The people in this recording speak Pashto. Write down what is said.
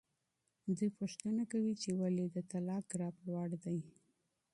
دوی پوښتنه کوي چې ولې د طلاق ګراف لوړ دی.